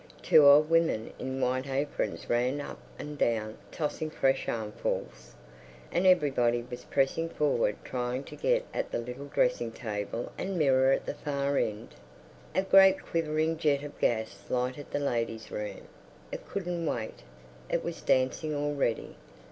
Two old women in white aprons ran up and down tossing fresh armfuls. And everybody was pressing forward trying to get at the little dressing table and mirror at the far end. A great quivering jet of gas lighted the ladies' room. It couldn't wait; it was dancing already.